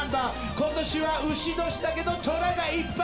今年はうし年だけどトラがいっぱい。